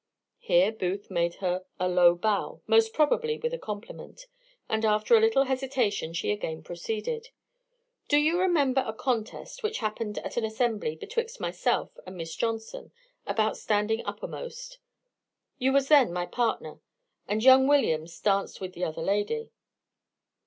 Here Booth made her a low bow, most probably with a compliment; and after a little hesitation she again proceeded. "Do you remember a contest which happened at an assembly, betwixt myself and Miss Johnson, about standing uppermost? you was then my partner; and young Williams danced with the other lady.